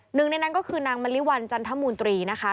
หนึ่งในนั้นก็คือนางมะลิวัลจันทมูลตรีนะคะ